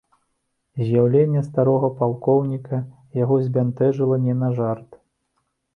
З'яўленне старога палкоўніка яго збянтэжыла не на жарт.